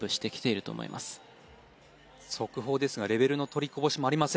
速報ですがレベルの取りこぼしもありませんね。